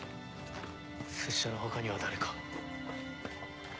拙者の他には誰か。